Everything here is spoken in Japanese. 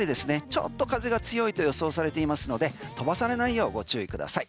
ちょっと風が強いと予想されていますので飛ばされないようご注意ください。